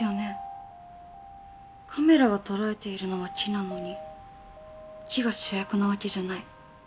カメラが捉えているのは木なのに木が主役なわけじゃない。